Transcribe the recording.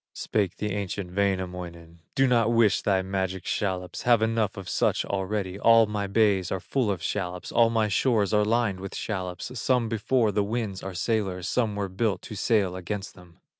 Spake the ancient Wainamoinen: "Do not wish thy magic shallops, Have enough of such already; All my bays are full of shallops, All my shores are lined with shallops, Some before the winds are sailors, Some were built to sail against them."